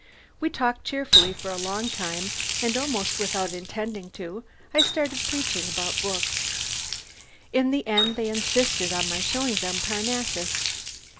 We talked cheerfully for a long time, and almost without intending to, I started preaching about books. In the end they insisted on my showing them Parnassus.